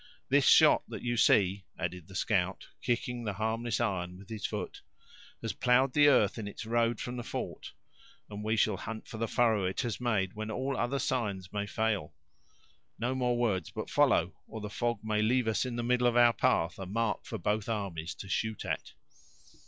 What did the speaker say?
This shot that you see," added the scout, kicking the harmless iron with his foot, "has plowed the 'arth in its road from the fort, and we shall hunt for the furrow it has made, when all other signs may fail. No more words, but follow, or the fog may leave us in the middle of our path, a mark for both armies to shoot at."